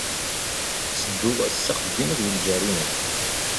Ttedduɣ s axeddim akked ljaṛ-inu.